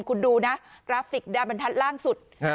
คุณดูนะกราฟิกดาบรรทัศน์ล่าสุด